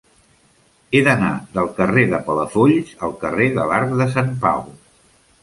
He d'anar del carrer de Palafolls al carrer de l'Arc de Sant Pau.